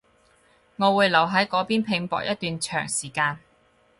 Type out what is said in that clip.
我會留喺嗰邊拼搏一段長時間